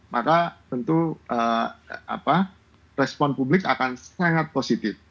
maka tentu respon publik akan sangat positif